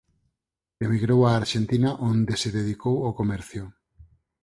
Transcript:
Emigrou á Arxentina onde se dedicou ao comercio.